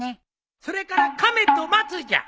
それから亀と松じゃ。